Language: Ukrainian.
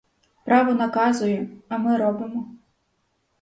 Право наказує, а ми робимо.